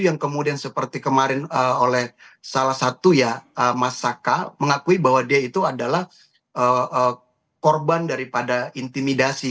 yang kemudian seperti kemarin oleh salah satu ya mas saka mengakui bahwa dia itu adalah korban daripada intimidasi